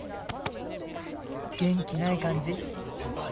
元気ない感じ？